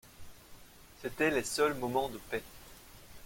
C'étaient les seuls moments de paix.